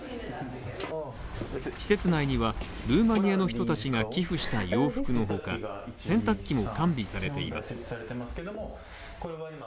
施設内にはルーマニアの人たちが寄付した洋服の他洗濯機も完備されています。